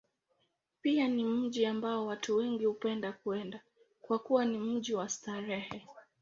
Pia ni mji ambao watu wengi hupenda kwenda, kwa kuwa ni mji wa starehe.